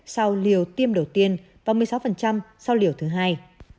sau liều tiêm đầu tiên và một mươi sáu sau liều thứ hai